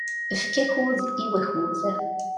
Efk akud i wakud.